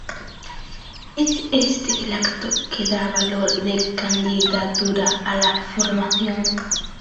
Es este el acto que da valor de candidatura a la formación.